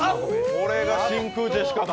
これが真空ジェシカだ。